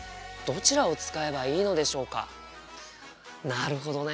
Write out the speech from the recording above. なるほどね。